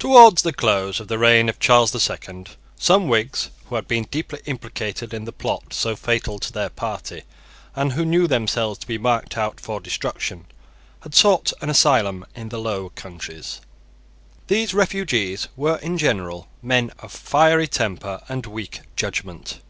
TOWARDS the close of the reign of Charles the Second, some Whigs who had been deeply implicated in the plot so fatal to their party, and who knew themselves to be marked out for destruction, had sought an asylum in the Low Countries. These refugees were in general men of fiery temper and weak judgment.